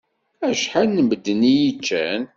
Acḥal n medden i yi-iččan.